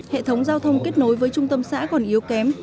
hệ thống giao thông kết nối với trung tâm xã còn yếu kém